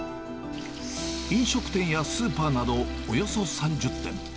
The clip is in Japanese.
飲食店やスーパーなど、およそ３０店。